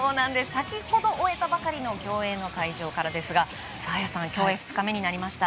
先ほど終えたばかりの競泳の会場からですが綾さん競泳２日目になりました。